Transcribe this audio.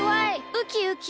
ウキウキ！